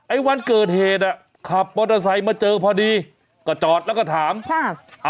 วันเกิดเหตุอ่ะขับมอเตอร์ไซค์มาเจอพอดีก็จอดแล้วก็ถามค่ะ